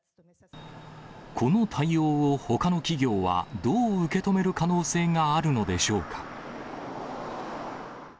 この対応をほかの企業はどう受け止める可能性があるのでしょうか。